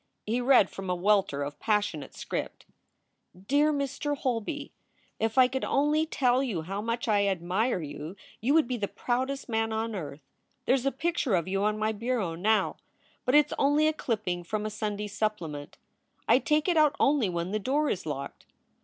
He read from a welter of passionate script. 22 330 SOULS FOR SALE "DEAR MR. HOLBY, If I could only tell you how much I admire you you would be the proudest man on earth. There s a picture of you on my bureau now, but it s only a clipping from a Sunday supplement. I take it out only when the door is locked.